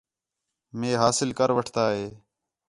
مے حاصل کر وٹھتا ہے